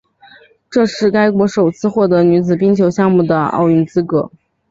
这是该国首次获得女子冰球项目的奥运资格。